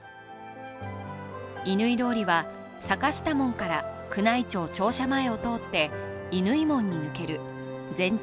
乾通りは坂下門から宮内庁庁舎前を通って乾門に抜ける全長